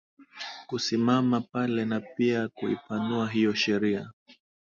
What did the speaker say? kusimama pale na pia kuipanua hiyo sheria